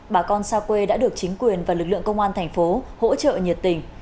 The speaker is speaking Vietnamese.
bà con xa quê đã được chính quyền và lực lượng công an thành phố hỗ trợ nhiệt tình